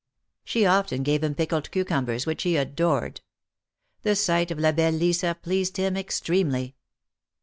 She often gave him pickled cucumbers, which he adored. The sight of La belle Lisa pleased him extremely.